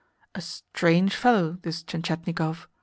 "A strange fellow, this Tientietnikov!"